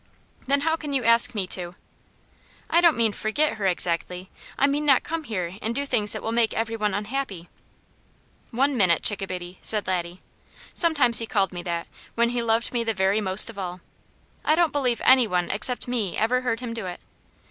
"Then how can you ask me to?" "I didn't mean forget her, exactly. I meant not come here and do things that will make every one unhappy." "One minute, Chick a Biddy," said Laddie. Sometimes he called me that, when he loved me the very most of all. I don't believe any one except me ever heard him do it.